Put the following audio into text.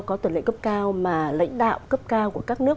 có tuần lệ cấp cao mà lãnh đạo cấp cao của các nước